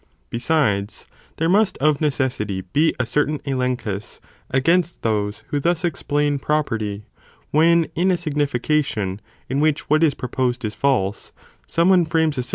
Be sides, there must of necessity be a certain elenchus against those who thus explain property, when in (a signification in) which what is proposed is false, some one frames a syllogism * So Buhle.